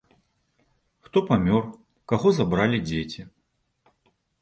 Хто памёр, каго забралі дзеці.